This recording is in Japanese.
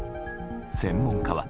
専門家は。